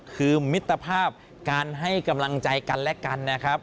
คือมิตรภาพการให้กำลังใจกันและกันนะครับ